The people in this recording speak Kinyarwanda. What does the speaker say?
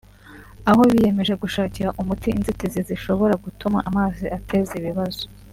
aho biyemeje gushakira umuti inzitizi zishobora gutuma amazi ateza ibibazo